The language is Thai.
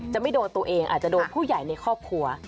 จะไม่โดนตัวเองอาจจะโดนผู้ใหญ่ในครอบครัว